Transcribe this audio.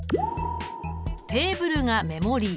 テーブルがメモリ。